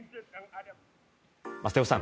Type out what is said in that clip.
瀬尾さん